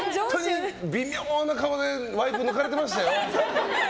微妙な顔がワイプで抜かれてましたよ。